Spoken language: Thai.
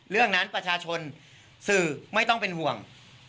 เรื่องนั้นประชาชนสื่อไม่ต้องเป็นห่วง